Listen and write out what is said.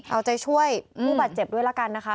เอาใจช่วยผู้บาดเจ็บด้วยละกันนะคะ